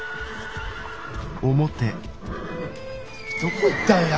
どこ行ったんや。